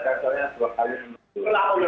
soalnya sebuah kali